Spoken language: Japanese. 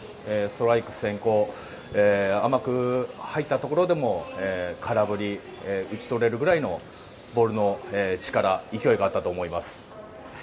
ストライク先行で甘く入ったところでも空振り打ち取れるくらいのボールの力勢いがあったと思います。